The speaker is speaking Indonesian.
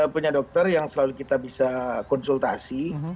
punya dokter yang selalu kita bisa konsultasi